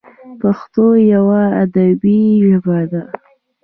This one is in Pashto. پښتو یوه ادبي ژبه ده.